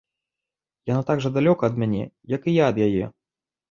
Яна так жа далёка ад мяне, як і я ад яе.